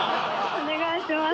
お願いします。